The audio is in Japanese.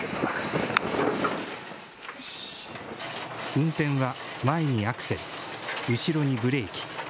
運転は前にアクセル、後ろにブレーキ。